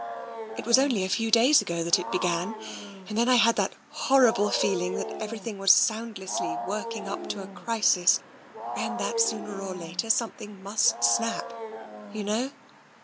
It was only a few days ago that it began, and then I had that horrible feeling that everything was soundlessly working up to a crisis, and that sooner or later something must snap. You know?